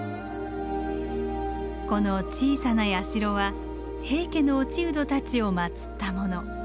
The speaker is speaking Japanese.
この小さな社は平家の落人たちをまつったもの。